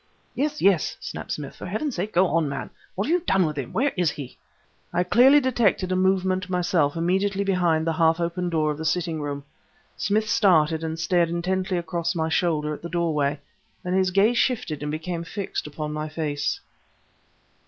"Yes, yes," snapped Smith. "For God's sake go on, man! What have you done with him? Where is he?" I clearly detected a movement myself immediately behind the half open door of the sitting room. Smith started and stared intently across my shoulder at the doorway; then his gaze shifted and became fixed upon my face.